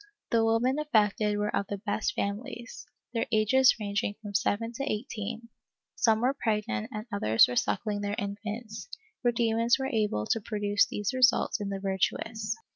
The women affected were of the best families, their ages ranging from 7 to 18 — some were pregnant and others were suckling their infants, for demons were able to produce these results in the virtuous.